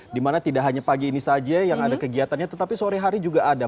dimana tidak hanya pagi ini saja yang ada kegiatannya tetapi sore hari juga ada